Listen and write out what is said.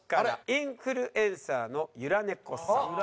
インフルエンサーのゆら猫さん。